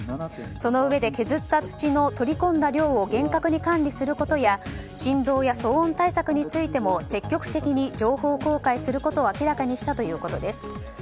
そのうえで削った土の取り込んだ量を厳格に管理することや振動や騒音対策についても積極的に情報公開することを明らかにしたということです。